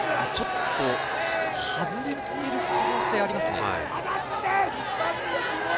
外れてる可能性ありますね。